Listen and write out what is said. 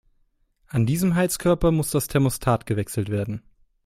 An diesem Heizkörper muss das Thermostat gewechselt werden.